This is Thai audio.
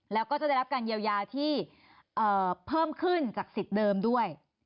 แล้วก็จะได้รับการเยียวยาที่เพิ่มขึ้นจากสิทธิ์เดิมด้วย